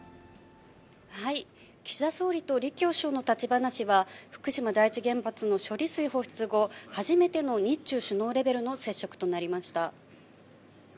岸田総理と李強首相の立ち話は福島第一原発の処理水放出後、初めての日中首脳レベルの接触となりました。